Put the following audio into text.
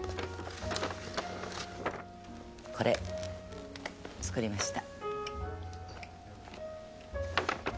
これ作りました。